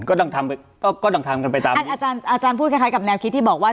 ก็ต้องทำกันไปตามนี้อาจารย์อาจารย์พูดคล้ายคล้ายกับแนวคิดที่บอกว่า